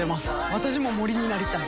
私も森になりたい。